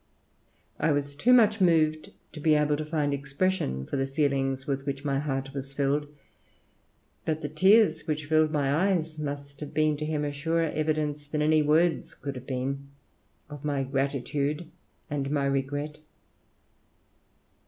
I was too much moved to be able to find expression for the feelings with which my heart was filled; but the tears which filled my eyes must have been to him a surer evidence than any words could have been of my gratitude and my regret."